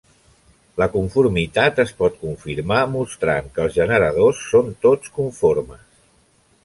La conformitat es pot confirmar mostrant que els generadors són tots conformes.